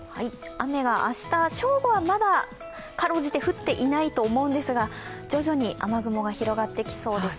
雨は明日正午はかろうじて降ってないと思いますが、徐々に広がっていきそうです。